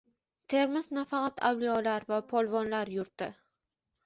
Termiz nafaqat avliyolar va polvonlar yurti